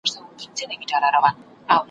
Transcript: په ځنګله کي د چینجیو د میندلو `